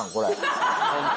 ホント。